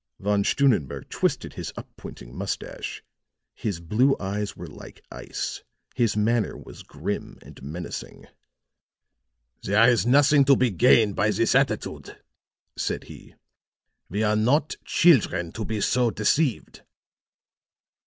Von Stunnenberg twisted his up pointing moustache; his blue eyes were like ice, his manner was grim and menacing. "There is nothing to be gained by this attitude," said he. "We are not children to be so deceived."